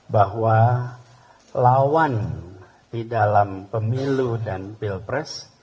bahwa lawan di dalam pemilu dan pilpres